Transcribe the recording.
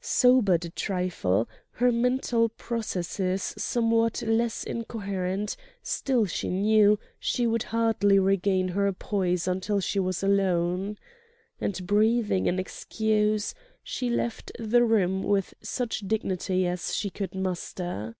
Sobered a trifle, her mental processes somewhat less incoherent, still she knew she would hardly regain her poise until she was alone. And breathing an excuse, she left the room with such dignity as she could muster.